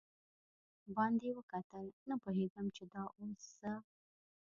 باندې وکتل، نه پوهېدم چې دا اوس زه.